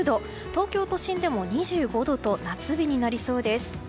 東京都心でも２５度と夏日になりそうです。